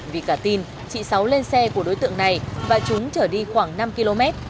vì cả tin chị sáu lên xe của đối tượng này và chúng trở đi khoảng năm km